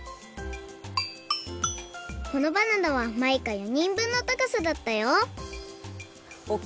このバナナはマイカ４にんぶんのたかさだったよ！